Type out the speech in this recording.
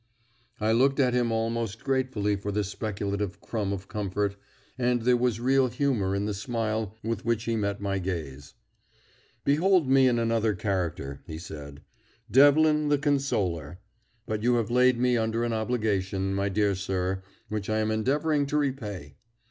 I looked at him almost gratefully for this speculative crumb of comfort, and there was real humour in the smile with which he met my gaze. "Behold me in another character," he said; "Devlin the Consoler. But you have laid me under an obligation, my dear sir, which I am endeavouring to repay.